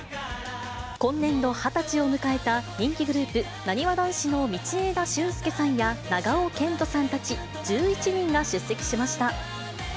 今年度二十歳を迎えた人気グループ、なにわ男子の道枝駿佑さんや、長尾謙杜さんたち１１人が出席しました。